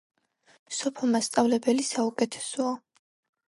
სოფო მასწავლებელი საუკეთესოა